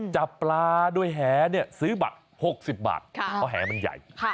จับปลาด้วยแหซื้อบัตร๖๐บาทเพราะแหมันใหญ่